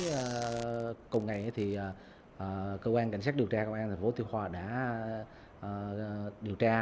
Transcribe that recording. và cùng ngày thì cơ quan cảnh sát điều tra cơ quan thành phố tiêu hòa đã điều tra